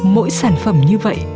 mỗi sản phẩm như vậy